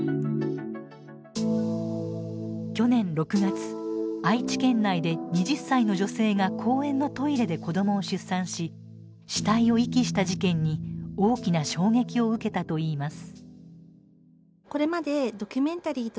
去年６月、愛知県内で２０歳の女性が公園のトイレで子どもを出産し死体を遺棄した事件に大きな衝撃を受けたといいます。